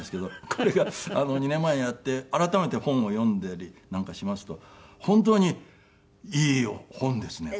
これが２年前にやって改めて本を読んだりなんかしますと本当にいい本ですね。